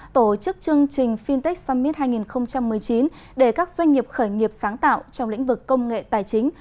tổ chức chương trình fintech summit hai nghìn một mươi chín để các doanh nghiệp khởi nghiệp sáng tạo trong lĩnh vực công nghệ tài chính